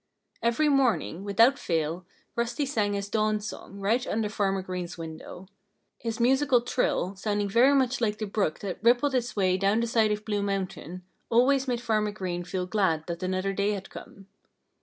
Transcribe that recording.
Every morning, without fail, Rusty sang his dawn song right under Farmer Green's window. His musical trill, sounding very much like the brook that rippled its way down the side of Blue Mountain, always made Farmer Green feel glad that another day had come.